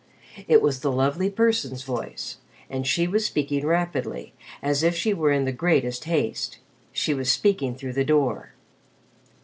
It was the Lovely Person's voice, and she was speaking rapidly, as if she were in the greatest haste. She was speaking through the door.